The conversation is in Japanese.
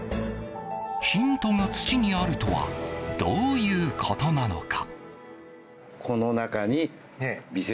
ヒントが土にあるとはどういうことなのか。